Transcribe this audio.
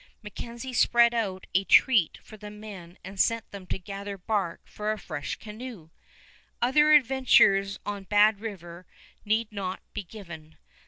MacKenzie spread out a treat for the men and sent them to gather bark for a fresh canoe. Other adventures on Bad River need not be given.